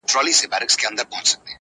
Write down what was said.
نه يوازي فرد پورې